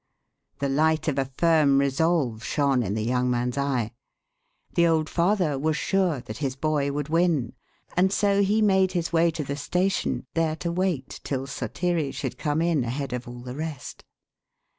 The light of a firm resolve shone in the young man's eye. The old father was sure that his boy would win, and so he made his way to the station, there to wait till Sotiri should come in ahead of all the rest.